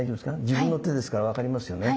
自分の手ですから分かりますよね。